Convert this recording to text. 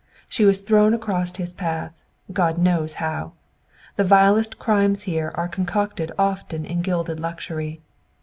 She was thrown across his path, God knows how! The vilest crimes here are concocted often in gilded luxury.